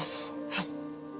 はい。